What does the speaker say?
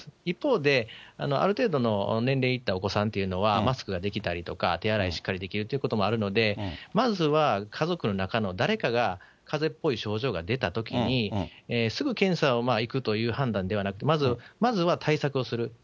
一方で、ある程度の年齢にいったお子さんというのはマスクができたりとか、手洗いしっかりできるということもあるので、まずは家族の中の誰かが、かぜっぽい症状が出たときに、すぐ検査を行くという判断ではなくて、まずは対策をする。